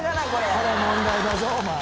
これは問題だぞ、お前。